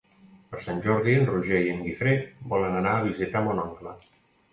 Per Sant Jordi en Roger i en Guifré volen anar a visitar mon oncle.